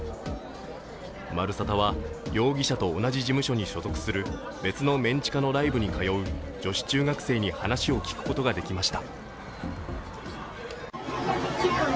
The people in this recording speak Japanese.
「まるサタ」は容疑者と同じ事務所に所属する別のメン地下のライブに通う女子中学生の話を聞くことができました。